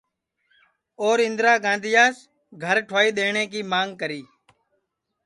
اور اِندرا گاندھیاس گھر ٹھُوائی دؔیٹؔیں کی مانگ کری